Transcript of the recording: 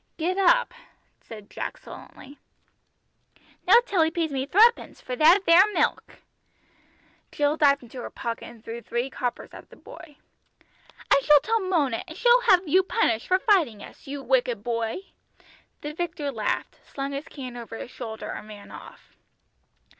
"Get up," said Jack sullenly. "Not till 'ee pays me thruppence for that there milk." Jill dived into her pocket and threw three coppers at the boy. "I shall tell Mona, and she'll have you punished for fighting us, you wicked boy!" The victor laughed, slung his can over his shoulder, and ran off.